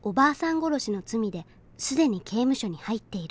殺しの罪で既に刑務所に入っている。